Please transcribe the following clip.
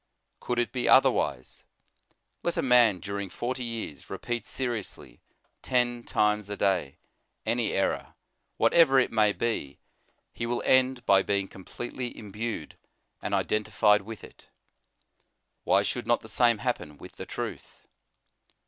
Could it be otherwise ? Let a man durinof o forty years repeat seriously, ten times a day, any error, whatever it may be, he will end by being completely imbued and identified with it. Why should not the same happen with the truth?